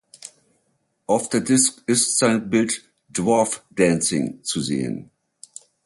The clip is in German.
Auf der Disk ist sein Bild "Dwarf Dancing" zu sehen.